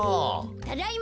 ただいま！